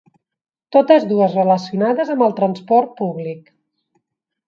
Totes dues relacionades amb el transport públic.